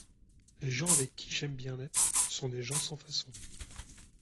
Les gens avec qui j’aime bien être sont des gens sans façons.